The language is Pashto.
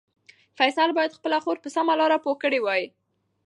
فیصل باید خپله خور په سمه لاره پوه کړې وای.